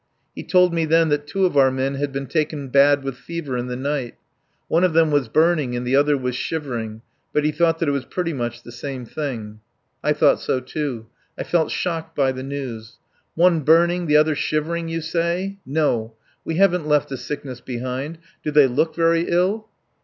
He told me then that two of our men had been taken bad with fever in the night. One of them was burning and the other was shivering, but he thought that it was pretty much the same thing. I thought so, too. I felt shocked by the news. "One burning, the other shivering, you say? No. We haven't left the sickness behind. Do they look very ill?"